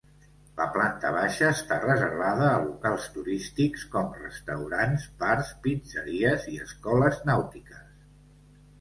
La planta baixa està reservada a locals turístics com restaurants, bars, pizzeries i escoles nàutiques.